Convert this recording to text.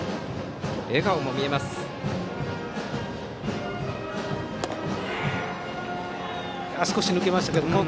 笑顔も見えます、岡。